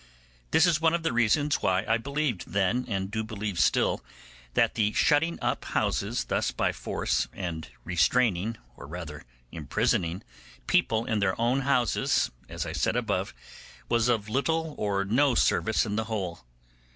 This is one of the reasons why I believed then, and do believe still, that the shutting up houses thus by force, and restraining, or rather imprisoning, people in their own houses, as I said above, was of little or no service in the whole.